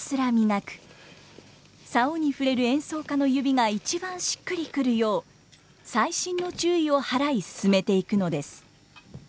棹に触れる演奏家の指が一番しっくりくるよう細心の注意を払い進めていくのです。